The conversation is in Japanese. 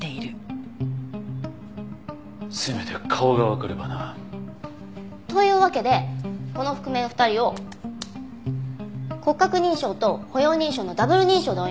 せめて顔がわかればな。というわけでこの覆面２人を骨格認証と歩容認証のダブル認証で追いました。